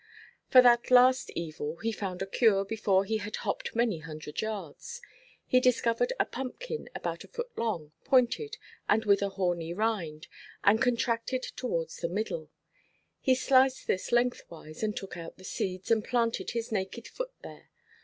For that last evil he found a cure before he had hopped many hundred yards. He discovered a pumpkin about a foot long, pointed, and with a horny rind, and contracted towards the middle. He sliced this lengthwise, and took out the seeds, and planted his naked foot there.